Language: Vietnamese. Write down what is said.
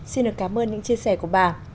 xin được cảm ơn những chia sẻ của bà